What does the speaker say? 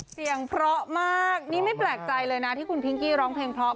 เสียงเพราะมากนี่ไม่แปลกใจเลยนะที่คุณพิงกี้ร้องเพลงเพราะ